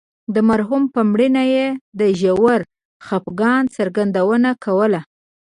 د مرحوم په مړینه یې د ژور خفګان څرګندونه کوله.